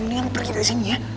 mendingan pergi dari sini ya